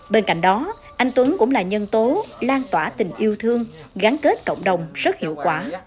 bên cạnh đó anh tuấn cũng là nhân tố lan tỏa tình yêu thương gắn kết cộng đồng rất hiệu quả